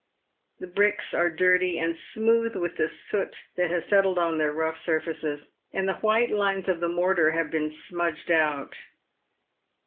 The bricks are dirty and smooth with the soot that has settled on their rough surfaces, and the white lines of the mortar have been smudged out.